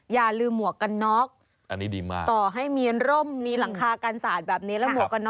อย่าลืมหัวกเซอออน